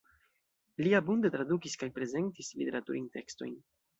Li abunde tradukis kaj prezentis literaturajn tekstojn.